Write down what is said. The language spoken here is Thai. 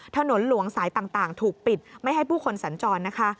ถนนหลวงสายต่างถูกปิดไม่ให้ผู้คนสัญจรนะคะ